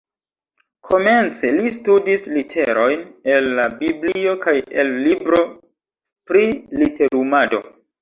Komence, li studis literojn el la biblio kaj el libro pri literumado